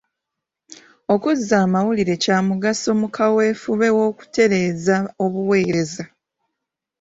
Okuzza amawulire kya mugaso mu kaweefube w'okutereeza obuweereza.